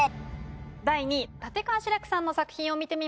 第２位立川志らくさんの作品を見てみましょう。